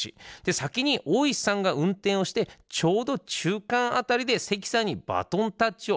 先に大石さんが運転をしてちょうど中間辺りで関さんにバトンタッチをしたそうなんです。